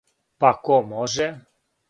Па, ко може?